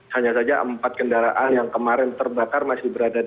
hanya saja empat kendaraan yang kemarin terbakar masih berada di